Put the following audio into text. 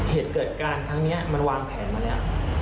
เหตุเกิดการครั้งนี้มันวางแผนมาแล้ว